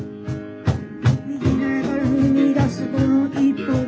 「『右へならえ』から踏み出すこの一歩を」